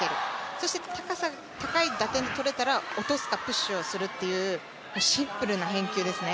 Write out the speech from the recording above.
そして高い打点でとれたら、落とすかプッシュをするという、シンプルな返球ですね。